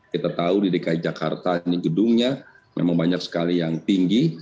kita tahu di dki jakarta ini gedungnya memang banyak sekali yang tinggi